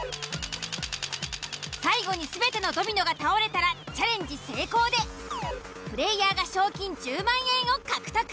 最後に全てのドミノが倒れたらチャレンジ成功でプレイヤーが賞金１０万円を獲得。